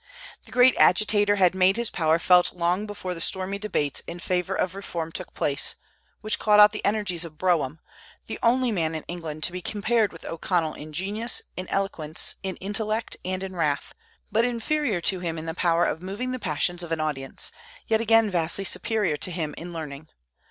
The great agitator had made his power felt long before the stormy debates in favor of reform took place, which called out the energies of Brougham, the only man in England to be compared with O'Connell in genius, in eloquence, in intellect, and in wrath, but inferior to him in the power of moving the passions of an audience, yet again vastly superior to him in learning.